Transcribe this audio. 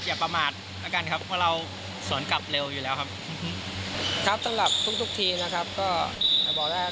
อยากจะบอกอะไร๑๓ทีที่เจอกัน